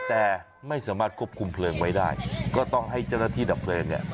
แต่ไม่สามารถควบคุมเพลิงไว้ได้ก็ต้องให้เจ้าหน้าที่ดับเพลิงเนี่ย